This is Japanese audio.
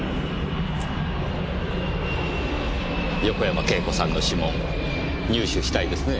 横山慶子さんの指紋入手したいですね。